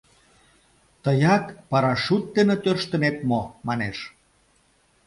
— Тыят парашют дене тӧрштынет мо? — манеш.